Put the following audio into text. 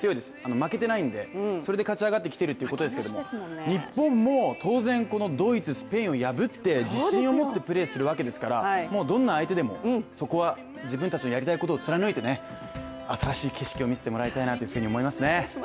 負けてないんで、それで勝ち上がってきているということですけれども日本も当然、このドイツ、スペインを破って自信を持ってプレーするわけですからもうどんな相手でも、そこは自分たちのやりたいことを貫いて新しい景色を見せてもらたいなと思いますね。